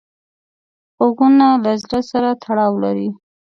غوږونه له زړه سره تړاو لري